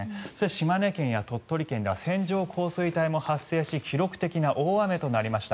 島根県や鳥取県では線状降水帯も発生し記録的な大雨となりました。